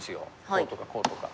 こうとかこうとか。